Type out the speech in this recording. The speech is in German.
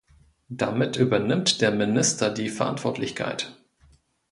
Damit übernimmt der Minister die Verantwortlichkeit.